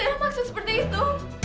enggak ada maksud seperti itu